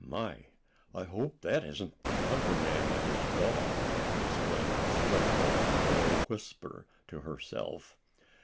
"My! I hope that isn't the hunter man and his dog!" exclaimed Slicko in a whisper to herself.